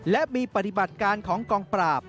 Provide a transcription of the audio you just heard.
และมีปฏิบัติการของกองปราบ